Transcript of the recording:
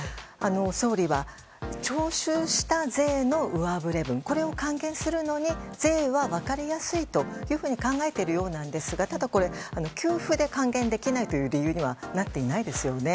総理は、徴収した税の上振れ分を還元するのに税は分かりやすいというふうに考えているようなんですがただ、これは給付で還元できない理由にはなっていないですよね。